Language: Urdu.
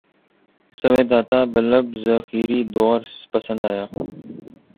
سویدا تا بلب زنجیری دود سپند آیا